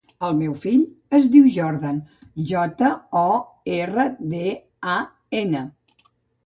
El meu fill es diu Jordan: jota, o, erra, de, a, ena.